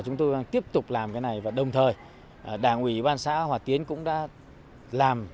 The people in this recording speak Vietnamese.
chúng tôi tiếp tục làm cái này và đồng thời đảng ủy ban xã hòa tiến cũng đã làm